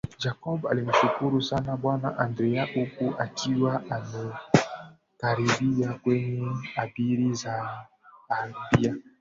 Jacob alimshukuru sana bwana Andrea huku akiwa amekaribia kwenye gari za abiria